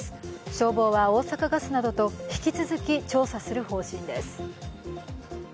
消防は大阪ガスなどと引き続き調査する方針です。